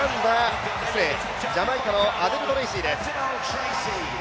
ジャマイカのアデル・トレイシーです。